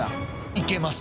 いけます